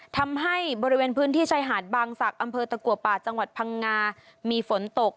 ทำให้บริเวณพื้นที่ชายหาดบางศักดิ์อำเภอตะกัวป่าจังหวัดพังงามีฝนตก